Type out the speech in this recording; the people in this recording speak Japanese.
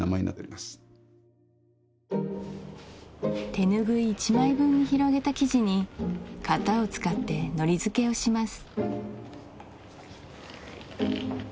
手ぬぐい１枚分に広げた生地に型を使ってのり付けをします